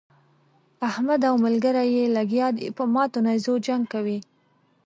احمد او ملګري يې لګيا دي په ماتو نېزو جنګ کوي.